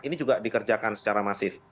ini juga dikerjakan secara masif